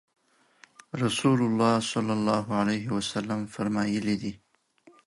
رسول الله صلی الله علیه وسلم فرمایلي دي